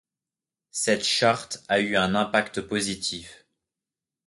Cette charte eut un impact positif.